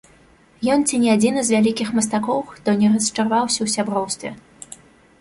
Ён ці не адзіны з вялікіх мастакоў, хто не расчараваўся ў сяброўстве.